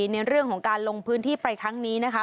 ในเรื่องของการลงพื้นที่ไปครั้งนี้นะคะ